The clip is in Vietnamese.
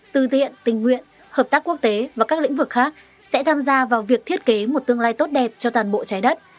tư tiện tình nguyện hợp tác quốc tế và các lĩnh vực khác sẽ tham gia vào việc thiết kế một tương lai tốt đẹp cho toàn bộ trái đất